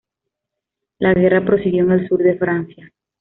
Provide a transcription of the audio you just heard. La guerra prosiguió en el sur de Francia.